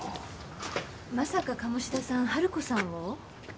まさか鴨志田さん春子さんを？